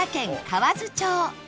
河津町？